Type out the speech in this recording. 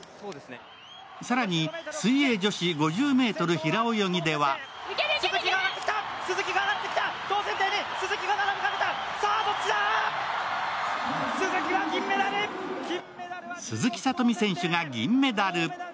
更に、水泳女子５０ｍ平泳ぎでは鈴木聡美選手が銀メダル。